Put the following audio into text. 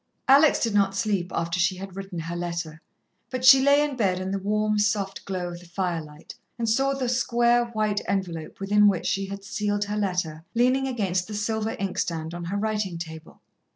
Alex did not sleep after she had written her letter, but she lay in bed in the warm, soft glow of the firelight, and saw the square, white envelope within which she had sealed her letter, leaning against the silver inkstand on her writing table.